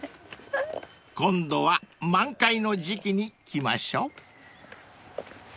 ［今度は満開の時季に来ましょう］